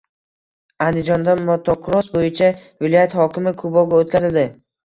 Andijonda motokross bo‘yicha “Viloyat hokimi kubogi” o‘tkazildi